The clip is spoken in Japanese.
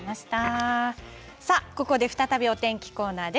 再びお天気コーナーです。